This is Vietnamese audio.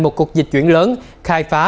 một cuộc dịch chuyển lớn khai phá